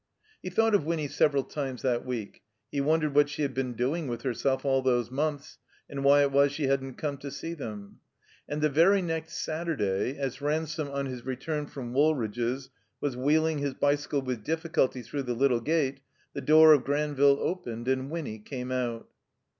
He thought of Winny several times that week. He wondered what she had been doing with herself all those months, and why it was she hadn't come to see them. And the very next Saturday, as Ransome, on his return from Woolridge's, was wheeling his bicycle with difficulty through the little gate, the door of Granville opened, and Winny came out.